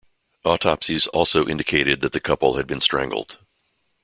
Autopsies also indicated that the couple had been strangled.